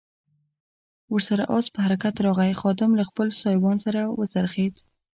ور سره آس په حرکت راغی، خادم له خپل سایوان سره و څرخېد.